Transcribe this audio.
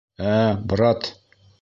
Ә, брат?!